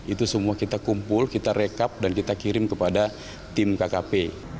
itu semua kita kumpul kita rekap dan kita kirim kepada tim kkp